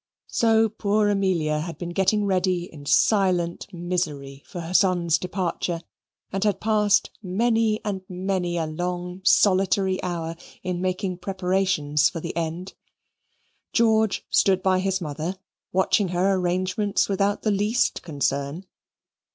So poor Amelia had been getting ready in silent misery for her son's departure, and had passed many and many a long solitary hour in making preparations for the end. George stood by his mother, watching her arrangements without the least concern.